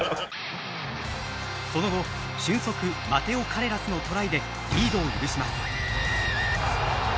その後俊足マテオ・カレラスのトライでリードを許します。